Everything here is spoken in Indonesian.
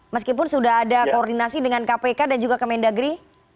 meskipun sudah ada koordinasi dengan kpk dan juga kementerian dalam negeri